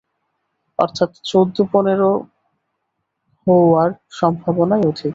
অর্থাৎ চৌদ্দেপনেরো হওয়ার সম্ভাবনাই অধিক।